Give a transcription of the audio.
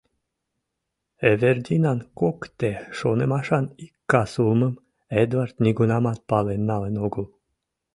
Эвердинан кокыте шонымашан ик кас улмым Эдвард нигунамат пален налын огыл.